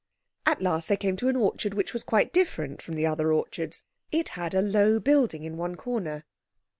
At last they came to an orchard which was quite different from the other orchards. It had a low building in one corner.